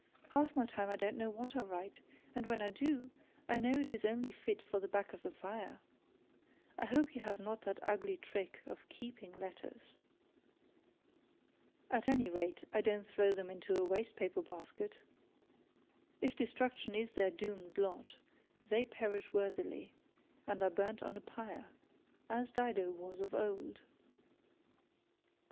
Half my time I don't know what I write, and when I do, I know it is only fit for the black of the fire. I hope you have not that ugly trick of keeping letters.' 'At any rate I don't throw them into a waste paper basket. If destruction is their doomed lot, they perish worthily, and are burnt on a pyre, as Dido was of old.'